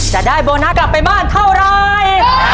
จะได้โบนัสกลับไปบ้านเท่าไร